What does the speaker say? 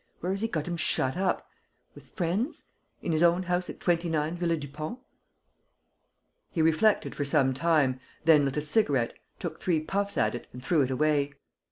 Where has he got him shut up? With friends? In his own house, at 29, Villa Dupont?" He reflected for some time, then lit a cigarette, took three puffs at it and threw it away.